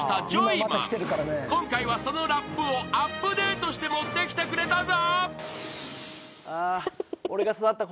［今回はそのラップをアップデートして持ってきてくれたぞ］